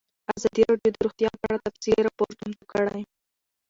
ازادي راډیو د روغتیا په اړه تفصیلي راپور چمتو کړی.